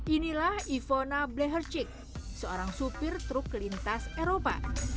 inilah ivona blehercik seorang supir truk ke lintas eropa